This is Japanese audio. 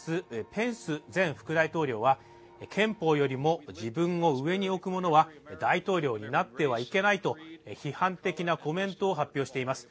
ペンス前副大統領は、憲法よりも自分を上におくものは大統領になってはいけないと批判的なコメントを発表しています。